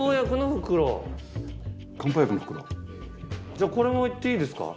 じゃこれもいっていいですか？